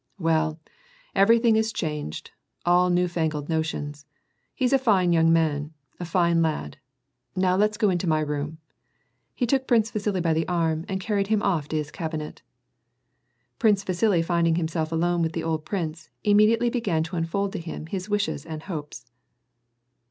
" Well, everything is changed, all new fangled notions. He's a fine young man, a fine lad. Now let's go into my room." He took Prince Viisili by the arm, and carried him off to his cabinet Prince Vasili finding himself alone with the old prince, immediately began to unfold to him his wishes and hopes.